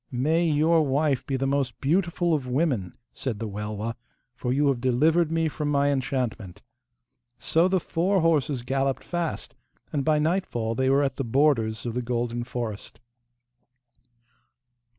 'May your wife be the most beautiful of women,' said the Welwa, 'for you have delivered me from my enchantment.' So the four horses galloped fast, and by nightfall they were at the borders of the golden forest.